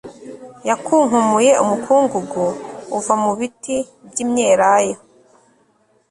yakunkumuye umukungugu uva mu biti byimyelayo